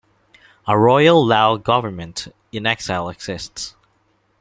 A Royal Lao Government in Exile exists.